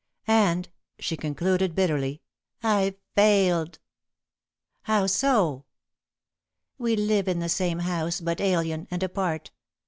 And," she concluded bitterly, "I've failed." "How so?" "We live in the same house, but alien and apart.